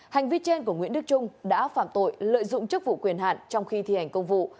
hành vi trên của nguyễn đức trung đã phạm tội lợi dụng chức vụ quyền hạn trong khi thi hành công vụ